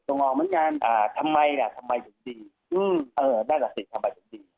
ตรงออกเหมือนกันอ่าทำไมล่ะทำไมอยู่ดีอืมเออด้านหน้าตึกทำไมจะดี